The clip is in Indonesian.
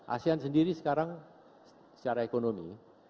asean sendiri sekarang secara ekonomi